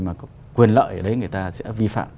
mà có quyền lợi ở đấy người ta sẽ vi phạm